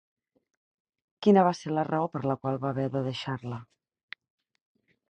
Quina va ser la raó per la qual va haver de deixar-la?